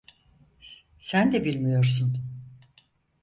Sen de bilmiyorsun.